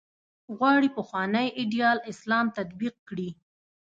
غواړي پخوانی ایدیال اسلام تطبیق کړي.